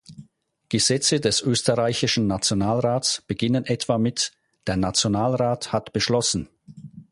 Gesetze des österreichischen Nationalrats beginnen etwa mit »Der Nationalrat hat beschlossen:«.